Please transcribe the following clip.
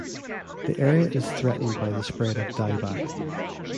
The area is threatened by the spread of dieback.